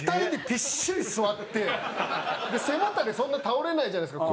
背もたれそんな倒れないじゃないですか。